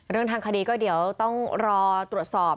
เรื่องทางคดีก็ต้องรอตรวจสอบ